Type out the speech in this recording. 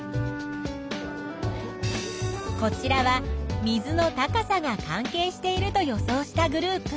こちらは水の高さが関係していると予想したグループ。